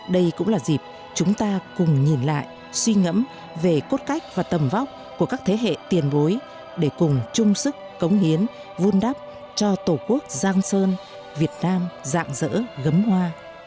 đây cũng là dịp chúng ta cùng nhìn lại suy ngẫm về cốt cách và tầm vóc của các thế hệ tiền bối để cùng chung sức cống hiến vun đắp cho tổ quốc giang sơn việt nam dạng dỡ gấm hoa